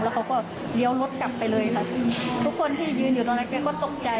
เขาก็เลี้ยวรถกลับไปเลยค่ะทุกคนที่ยืนอยู่ตรงนั้นแกก็ตกใจ